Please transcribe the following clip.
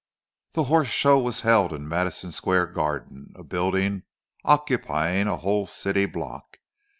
The Horse Show was held in Madison Square Garden, a building occupying a whole city block.